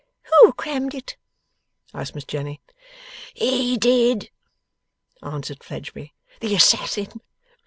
'Who crammed it?' asked Miss Jenny. 'He did,' answered Fledgeby. 'The assassin.